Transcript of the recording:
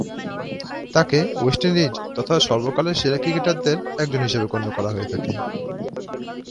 তাকে West Indies তথা সর্বকালের সেরা ক্রিকেটারদের একজন হিসেবে গণ্য করা হয়ে থাকে।